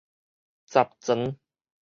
十全